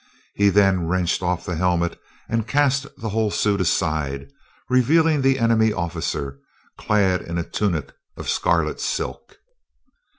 He then wrenched off the helmet and cast the whole suit aside, revealing the enemy officer, clad in a tunic of scarlet silk.